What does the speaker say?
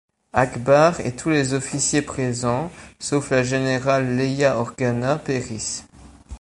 Ackbar et tous les officiers présents sauf la générale Leia Organa périssent.